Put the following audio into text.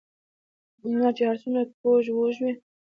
ـ مار چې هر څومره کوږ وږ وي